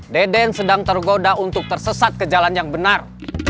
deden sedang tergoda untuk tersesat ke jalan yang benar